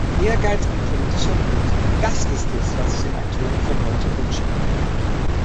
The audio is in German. Ehrgeiz und politischer Mut, das ist es, was ich den Akteuren von heute wünsche.